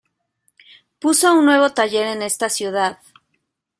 Puso un nuevo taller en esta ciudad.